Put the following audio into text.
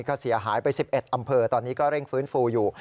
ก็เสียหายไป๑๑อำเภอตอนนี้ก็เร่งฟื้นฟูอยู่